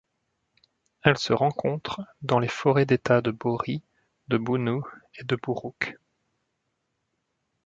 Elle se rencontre dans les forêts d'État de Beaury, de Boonoo et de Boorook.